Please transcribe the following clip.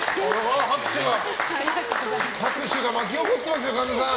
拍手が巻き起こってますよ神田さん。